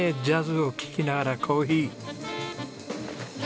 ジャズを聴きながらコーヒー。